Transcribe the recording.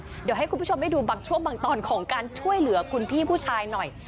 เดี๋ยวให้คุณผู้ชมได้ดูบางช่วงบางตอนของการช่วยเหลือคุณพี่ผู้ชายหน่อย